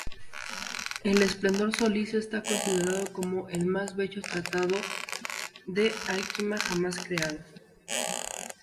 El "Splendor Solis" está considerado como el más bello tratado de alquimia jamás creado.